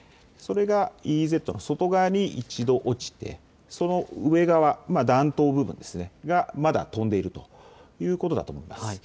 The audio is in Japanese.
それがＥＥＺの外側に一度落ちてその上側、弾頭部分ですね、それがまだ飛んでいるということだと思います。